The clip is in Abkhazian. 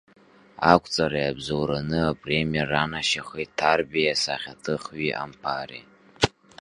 Ақәҵара иабзоураны апремиа ранашьахеит Ҭарбеи асахьаҭыхҩы Амԥари.